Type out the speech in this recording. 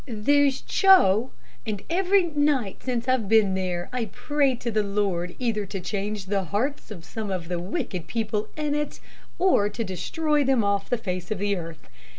There's Ch o. Every night since I've been there I pray to the Lord either to change the hearts of some of the wicked people in it, or to destroy them off the face of the earth.